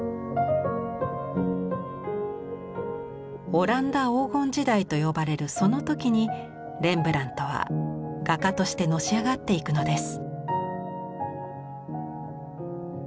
オランダ黄金時代と呼ばれるその時にレンブラントは画家としてのし上がっていくのです。